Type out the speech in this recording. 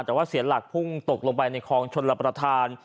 แต่ว่าเสียหลักพุ่งตกลงไปในคลองชนรับประทาน